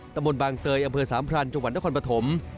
ตำบลบางเตยอำเภอสามพรานจังหวัดนครปฐม